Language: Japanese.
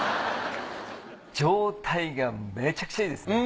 状態がめちゃくちゃいいです。